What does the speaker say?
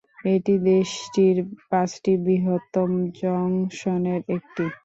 এটি দেশটির পাঁচটি বৃহত্তম জংশনের একটি।